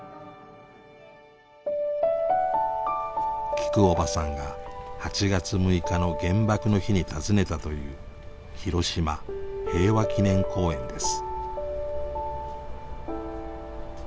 きくおばさんが８月６日の原爆の日に訪ねたという広島平和記念公園です。